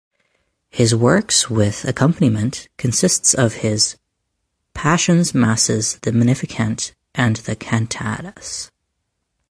His works with accompaniment consists of his Passions, Masses, the Magnificat and the cantatas.